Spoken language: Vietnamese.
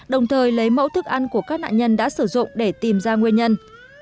đồng thời lấy mẫu thức ăn của các nạn nhân đã sử dụng để tìm ra nguyên nhân